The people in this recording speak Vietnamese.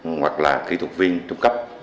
hoặc là kỹ thuật viên trung cấp